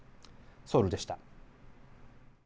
ソウルでした。